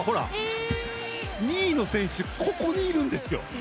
２位の選手がここにいるんですよ。